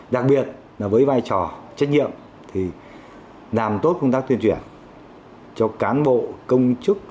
đặc biệt là với vai trò trách nhiệm thì làm tốt công tác tuyên truyền cho cán bộ công chức